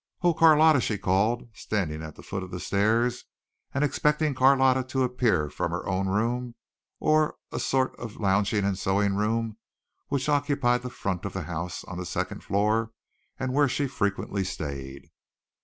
"Oh, Carlotta," she called, standing at the foot of the stairs and expecting Carlotta to appear from her own room or a sort of lounging and sewing room which occupied the front of the house on the second floor and where she frequently stayed.